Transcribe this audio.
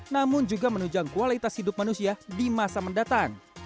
namun juga menunjang kualitas hidup manusia di masa mendatang